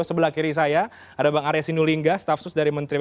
sebelah kiri saya ada bang arya sinulingga staff sus dari menteri bumn